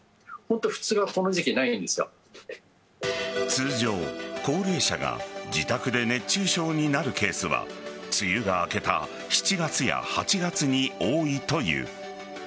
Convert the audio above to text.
通常、高齢者が自宅で熱中症になるケースは梅雨が明けた７月や８月に多いという。